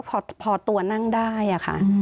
ก็พอตัวนั่งได้ค่ะ